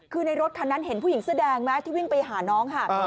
คือในรถคันนั้นเห็นผู้หญิงเสื้อแดงไหมที่วิ่งไปหาน้องค่ะ